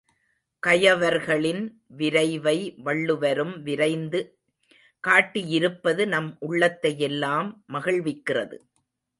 கயவர்களின் விரைவை வள்ளுவரும் விரைந்து காட்டியிருப்பது நம் உள்ளத்தை யெல்லாம் மகிழ்விக்கிறது.